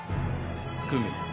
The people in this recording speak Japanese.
久美。